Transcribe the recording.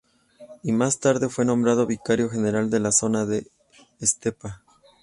Y más tarde fue nombrado vicario general de la zona de Estepa.